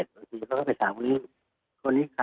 คุณพ่อค่ะขออภัยนิดนึงนะคะคือเนื่องจากตอนที่คุณพ่อเล่า